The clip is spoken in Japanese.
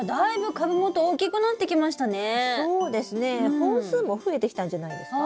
本数も増えてきたんじゃないですか？